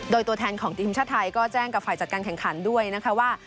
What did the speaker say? โดยตัวแทนของทีมชาติไทยก็แจ้งกับฝ่ายจัดการแข่งขันด้วยนะคะว่า